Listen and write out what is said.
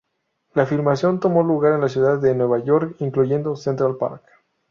La filmación tomó lugar en la ciudad de Nueva York, incluyendo Central Park.